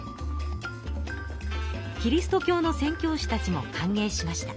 キリスト教のせん教師たちもかんげいしました。